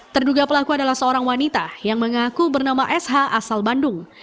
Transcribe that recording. terduga pelaku adalah seorang wanita yang mengaku bernama sh asal bandung